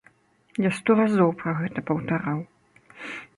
Я сто разоў пра гэта паўтараў.